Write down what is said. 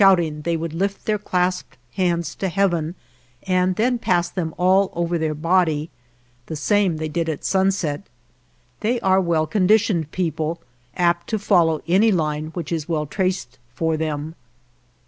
159 THE JOURNEY OF ing they would lift their clasped hands to Heaven and then pass them all over their body. The same they did at sunset. They are well conditioned people, apt to follow any line which is well traced for them.